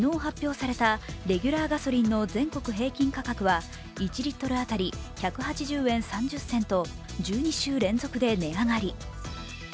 昨日発表されたレギュラーガソリンの全国平均価格は１リットル当たり１８０円３０銭と１２週連続で値上がり。